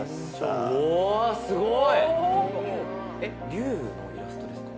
龍のイラストですか？